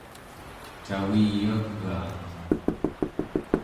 caviyagaat